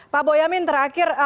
pak boyamin terakhir